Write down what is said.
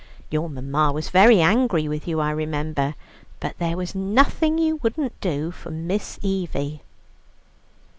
Your mamma was very angry with you, I remember; but there was nothing you wouldn't do for Miss Evie."